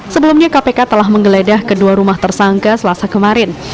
sebelumnya kpk telah menggeledah kedua rumah tersangka selasa kemarin